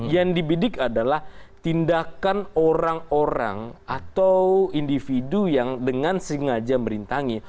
yang dibidik adalah tindakan orang orang atau individu yang dengan sengaja merintangi